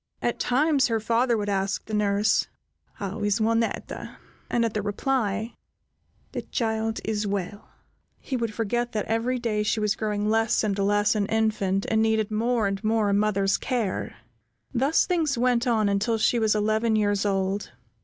At times her father would ask the nurse, "How is Juanetta?" and, at the reply, "The child is well," he would forget that every day she was growing less and less an infant, and needed more and more a mother's care. Thus things went on until she was eleven years old.